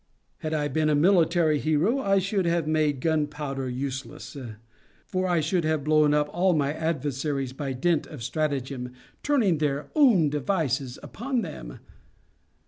Had I been a military hero, I should have made gunpowder useless; for I should have blown up all my adversaries by dint of stratagem, turning their own devices upon them.